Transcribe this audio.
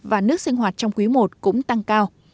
và nước sinh hoạt trong quý i cũng tăng cao